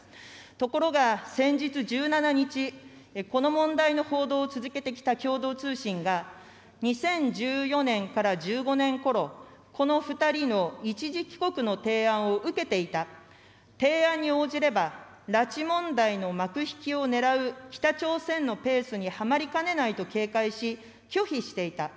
ところが、先日１７日、この問題の報道を続けてきた共同通信が、２０１４年から１５年ころ、この２人の一時帰国の提案を受けていた、提案に応じれば、拉致問題の幕引きをねらう北朝鮮のペースにはまりかねないと警戒し、拒否していた。